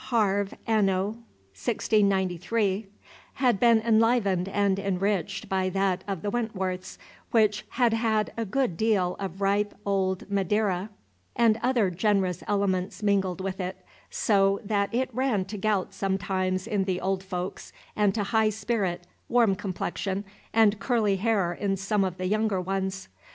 Harv. Anno 1693,) had been enlivened and enriched by that of the Wentworths, which had had a good deal of ripe old Madeira and other generous elements mingled with it, so that it ran to gout sometimes in the old folks and to high spirit, warm complexion, and curly hair in some of the younger ones.